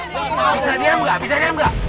bisa diam gak bisa diam gak